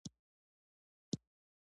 موټر کې هوا کولر وي.